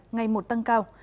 ngày một tăng cao